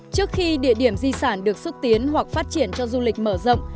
trước khi địa điểm di sản được xúc tiến hoặc phát triển cho du lịch mở rộng